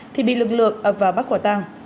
thì bị lực lượng ập vào bắc quảng tăng